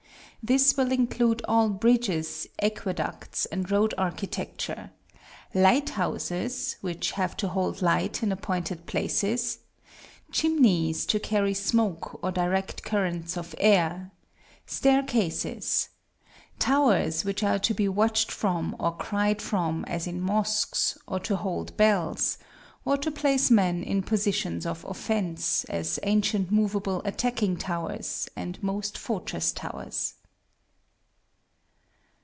This will include all bridges, aqueducts, and road architecture; light houses, which have to hold light in appointed places; chimneys to carry smoke or direct currents of air; staircases; towers, which are to be watched from or cried from, as in mosques, or to hold bells, or to place men in positions of offence, as ancient moveable attacking towers, and most fortress towers.